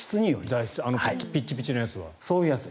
ピチピチのやつは。